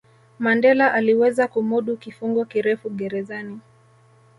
Mandela aliweza kumudu kifungo kirefu gerezani